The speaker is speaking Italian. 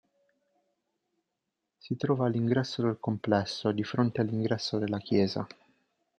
Si trova all'ingresso del complesso, di fronte all'ingresso della chiesa.